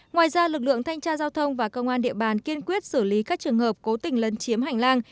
ngoài ra lực lượng thanh tra giao thông và công an địa bàn kiên quyết xử lý các trường hợp cố tình lấn chiếm hành lang